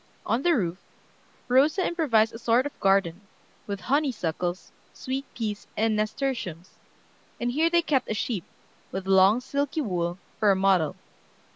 On the roof, Rosa improvised a sort of garden, with honeysuckles, sweet peas, and nasturtiums, and here they kept a sheep, with long, silky wool, for a model.